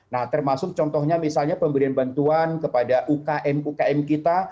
nah termasuk contohnya misalnya pemberian bantuan kepada ukm ukm kita